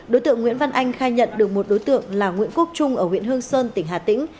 đối tượng nguyễn văn anh khai nhận được một đối tượng là nguyễn quốc trung ở huyện hương sơn tỉnh hà tĩnh